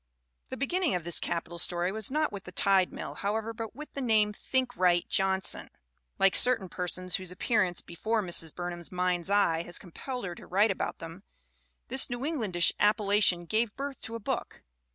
The beginning of this capital story was not with the Tide Mill, however, but with the name Thinkright Johnson. Like certain persons whose appearance be fore Mrs. Burnham' s mind's eye has compelled her to write about them, this New Englandish appellation gave birth to a book.